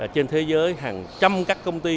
trên thế giới hàng trăm các công ty